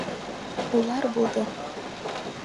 Улар булды.